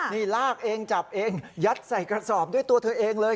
นี่ลากเองจับเองยัดใส่กระสอบด้วยตัวเธอเองเลย